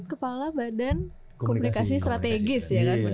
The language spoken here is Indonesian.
kepala badan komunikasi strategis